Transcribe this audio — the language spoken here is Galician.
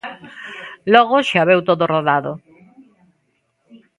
Logo xa veu todo rodado.